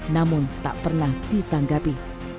namun tak pernah ditanggapi